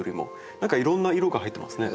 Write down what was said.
何かいろんな色が入ってますね。